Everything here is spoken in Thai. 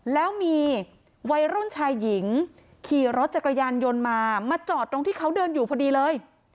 แล้วมีวัยรุ่นชายหญิงขี่รถจักรยานยนต์มามาจอดตรงที่เขาเดินอยู่พอดีเลย